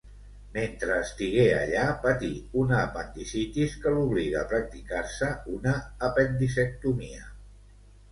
Mentre estigué allà, patí una apendicitis que l'obligà a practicar-se una apendicectomia.